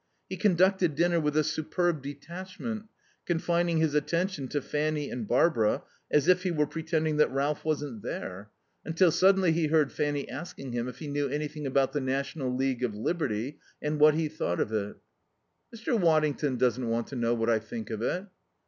He conducted dinner with a superb detachment, confining his attention to Fanny and Barbara, as if he were pretending that Ralph wasn't there, until suddenly he heard Fanny asking him if he knew anything about the National League of Liberty and what he thought of it. "Mr. Waddington doesn't want to know what I think of it."